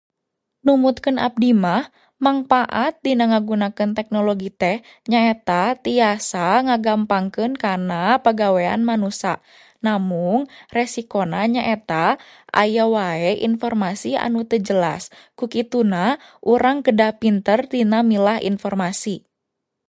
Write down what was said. Numutkeun abdi mah, mangpaat dina ngagunakeun teknologi teh nyaeta tiasa ngagampangkeun kana pagawean manusa, mung resiko na nyaeta aya wae inpormasi anu teu jelas, kukituna urang kedah pinter dina milah inpormasi.